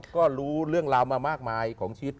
ก็รู้เรื่องราวมามากมายของชีวิต